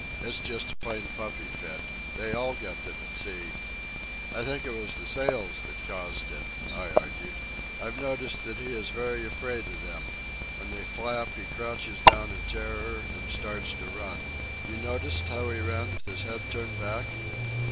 "It's just a plain puppy fit. They all get them at sea." "I think it was the sails that caused it," I argued. "I've noticed that he is very afraid of them. When they flap, he crouches down in terror and starts to run. You noticed how he ran with his head turned back?"